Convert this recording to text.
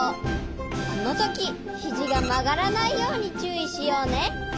このときひじがまがらないようにちゅういしようね。